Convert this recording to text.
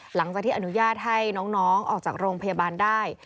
หลังจากที่อนุญาตให้น้องออกจากโรงพยาบาลได้